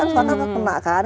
soalnya nggak kena kan